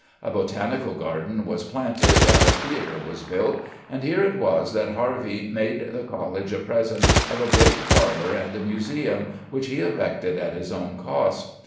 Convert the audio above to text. A botanical garden was planted and a theatre was built, and here it was that Harvey made the College a present of a great parlour and a museum, which he erected at his own cost.